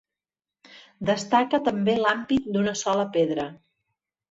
Destaca també l'ampit d'una sola pedra.